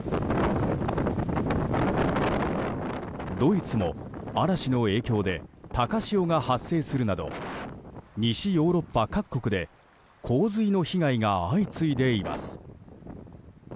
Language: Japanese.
ドイツも嵐の影響で高潮が発生するなど西ヨーロッパ各国で洪水の被害が相次いでいます。